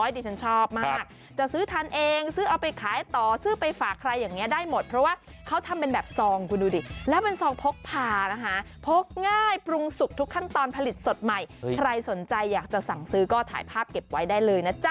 ดิฉันชอบมากจะซื้อทานเองซื้อเอาไปขายต่อซื้อไปฝากใครอย่างนี้ได้หมดเพราะว่าเขาทำเป็นแบบซองคุณดูดิแล้วเป็นซองพกพานะคะพกง่ายปรุงสุกทุกขั้นตอนผลิตสดใหม่ใครสนใจอยากจะสั่งซื้อก็ถ่ายภาพเก็บไว้ได้เลยนะจ๊ะ